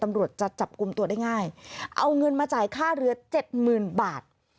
ตำรวจจะจับกลุ่มตัวได้ง่ายเอาเงินมาจ่ายค่าเรือเจ็ดหมื่นบาท